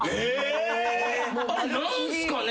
あれ何すかね。